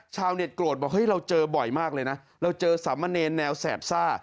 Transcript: ชาวเน็ตโกรธบอกเฮ้ยเราเจอบ่อยมากเลยนะเราเจอสามเณรแนวแสบซ่า